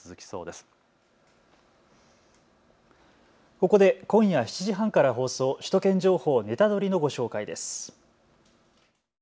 ここで今夜７時半から放送首都圏情報ネタドリ！のご紹介です。